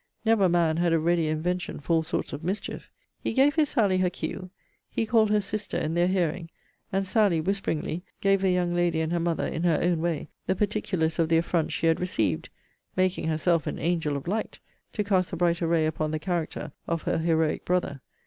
Never man had a readier invention for all sorts of mischief. He gave his Sally her cue. He called her sister in their hearing; and Sally, whisperingly, gave the young lady and her mother, in her own way, the particulars of the affront she had received; making herself an angel of light, to cast the brighter ray upon the character of her heroic brother.